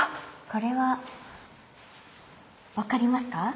これは分かりますか？